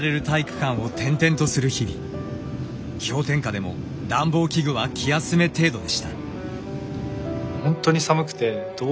氷点下でも暖房器具は気休め程度でした。